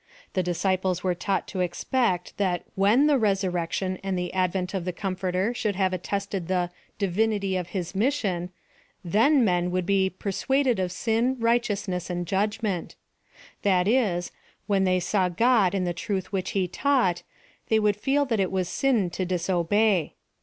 The disciples were taught to expect that wJien the resurrection and the advent of the Comforter should have attested the divinity of his mission^ thex men would be "persuaded of 5m, rigli Icon sness, and judg'ment;'^ that is, when they saw God in the truth which he taught, they would feel that it was sin to disobey.